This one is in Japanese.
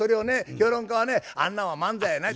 評論家はねあんなんは漫才やない。